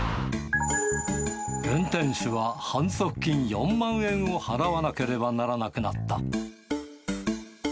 運転手は反則金４万円を払わなければならなくなった。